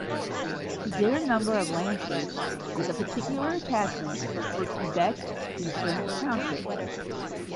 She did a number of landscapes, with a particular attachment for Quebec's Eastern Townships.